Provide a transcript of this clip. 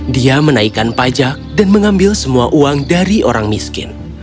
dia menaikkan pajak dan mengambil semua uang dari orang miskin